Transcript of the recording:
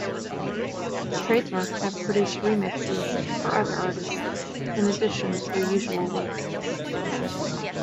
Trademark have produced remixes for other artists in addition to their usual work.